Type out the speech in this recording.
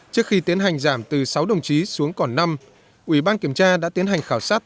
trước khi tiến hành giảm từ sáu đồng chí xuống còn năm